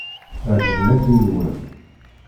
Ԑeǧben-ak yilwen.